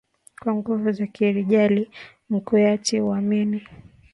Kwa nguvu za kirijali, mkuyati uamini,